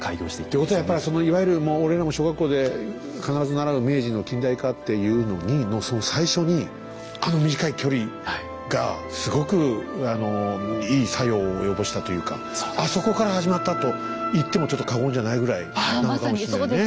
ということはやっぱりそのいわゆる俺らも小学校で必ず習う明治の近代化っていうのにのその最初にあの短い距離がすごくいい作用を及ぼしたというかあそこから始まったと言ってもちょっと過言じゃないぐらいなのかもしれないね。